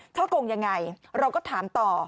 ช่อกงยังไงเราก็ถามต่อ